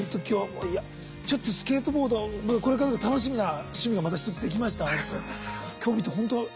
今日いやちょっとスケートボードまたこれからが楽しみな趣味がまた一つできました。